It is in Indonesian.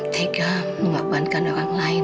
tega memakbarkan orang lain